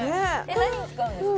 何に使うんですか？